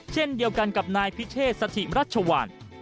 เช่นเดียวกันกับนายพิเชษสถิรัชวัล